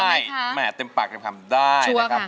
ใช่แหม่เต็มปากเต็มคำได้นะครับ